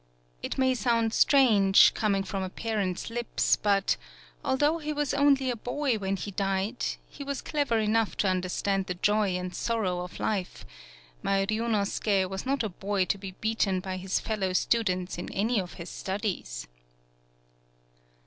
It may sound strange, coming from a parent's lips, but, al though he was only a boy when he died, he was clever enough to understand the joy and sorrow of life; my Ryunosuke was not a boy to be beaten by his fel low students in any of his studies.